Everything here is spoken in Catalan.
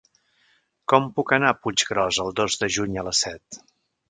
Com puc anar a Puiggròs el dos de juny a les set?